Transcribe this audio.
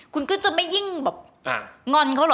คุณก็จะไม่ยิ่งแบบงอนเขาเหรอ